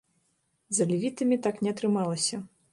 З алевітамі так не атрымалася.